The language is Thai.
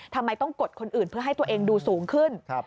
ทำไมต้องกดคนอื่นเพื่อให้ตัวเองดูสูงขึ้น